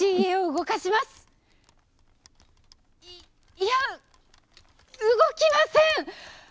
いいや動きません！